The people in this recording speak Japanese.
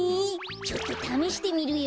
ちょっとためしてみるよ。